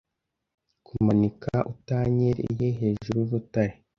Kumanika utanyereye hejuru y'urutare